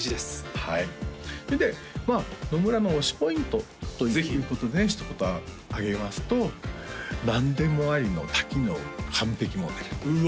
はいそれでまあ野村の推しポイントということでひと言上げますと何でもありの多機能完璧モデルうわ！